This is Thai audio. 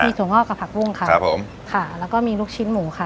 ถั่วงอกกับผักบุ้งค่ะครับผมค่ะแล้วก็มีลูกชิ้นหมูค่ะ